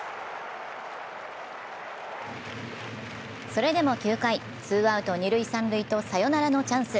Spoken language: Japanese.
それでも９回、ツーアウト二塁・三塁とサヨナラのチャンス。